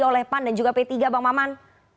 oleh pan dan juga p tiga bang maman